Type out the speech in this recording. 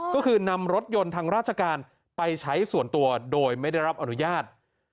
ก็คือนำรถยนต์ทางราชการไปใช้ส่วนตัวโดยไม่ได้รับอนุญาต